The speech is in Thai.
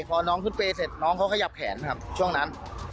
พอน้องขึ้นเปรย์เสร็จน้องเขาขยับแขนครับช่วงนั้น